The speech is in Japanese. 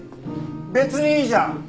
別にいいじゃん。